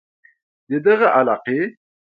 د دغه علاقې